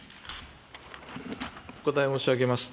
お答え申し上げます。